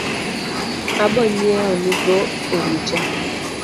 Abo nyieo ni go orucha